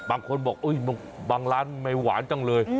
บางคนบอกบางร้านไม่หวานจังเลย